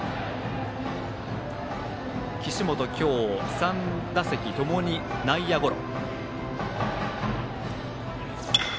岸本は今日３打席ともに内野ゴロ。